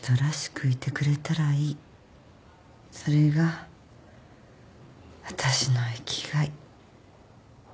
それが私の生きがい。